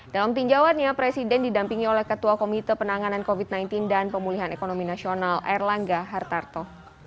dalam tinjauannya presiden didampingi oleh ketua komite penanganan covid sembilan belas dan pemulihan ekonomi nasional erlangga hartarto